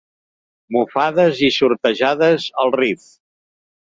Mofades i sortejades al Rif.